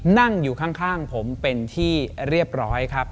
นั่งอยู่ข้างผมเป็นที่เรียบร้อยครับ